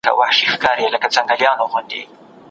په واده کي ډېر اسراف مه کوئ.